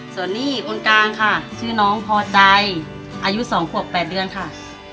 ส่วนนี้คนกลางค่ะชื่อน้องพอใจอายุ๒ขวบ๘เดือนค่ะ